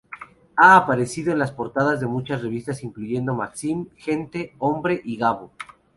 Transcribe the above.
Ha aparecido en las portadas de muchas revistas incluyendo Maxim, Gente, Hombre y Gabo.